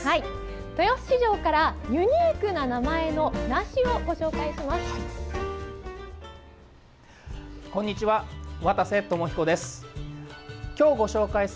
豊洲市場からユニークな名前の梨をご紹介します。